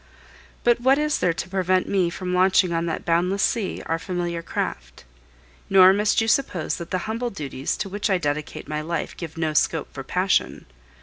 But what is there to prevent me from launching on that boundless sea our familiar craft? Nor must you suppose that the humble duties to which I dedicate my life give no scope for passion.